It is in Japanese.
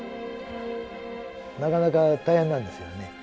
なかなか大変なんですよね。